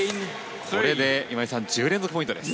これで今井さん１０連続ポイントです。